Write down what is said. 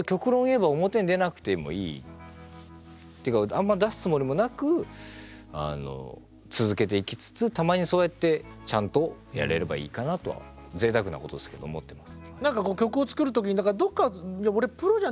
あんま出すつもりもなく続けていきつつたまにそうやってちゃんとやれればいいかなとはぜいたくなことですけど思ってます。